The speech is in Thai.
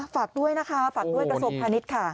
ฝากด้วยนะคะฝากด้วยประสบคณิตค่ะ